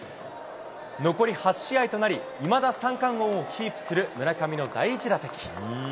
残り８試合となり、いまだ三冠王をキープする村上の第１打席。